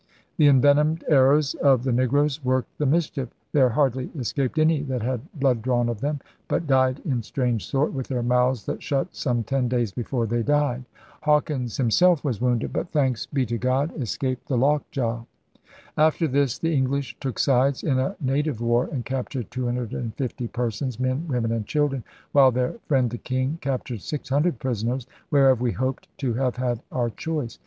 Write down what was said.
The * envenomed arrows' of the negroes worked the mischief. * There hardly escaped any that had blood drawn of them, but died in strange sort, with their mouths shut some ten days before they died.' Hawkins himself was wounded, but, * thanks be to God,' escaped 88 ELIZABETHAN SEA DOGS the lockjaw. After this the English took sides in a native war and captured *250 persons, men, women, and children, ' while their friend the King captured *600 prisoners, whereof we hoped to have had our choice.